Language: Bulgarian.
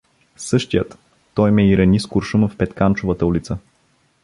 — Същият, той ме и рани с куршума в Петканчовата улица.